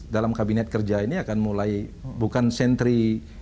dalam kabinet kerja ini